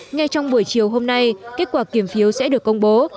ngay trong buổi chiều hôm nay kết quả kiểm phiếu sẽ được công bố